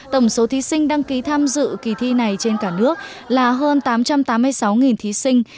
tổng số thí sinh đăng ký tham dự kỳ thi này trên cả nước là hơn tám trăm tám mươi sáu thí sinh